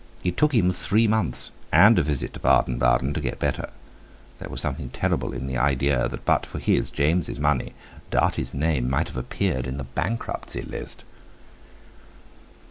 It took him three months and a visit to Baden Baden to get better; there was something terrible in the idea that but for his, James's, money, Dartie's name might have appeared in the Bankruptcy List.